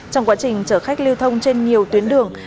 trong quá trình chở khách lưu thông trên nhiều tuyến đường